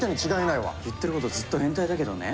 言ってることずっと変態だけどね。